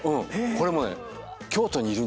これもね。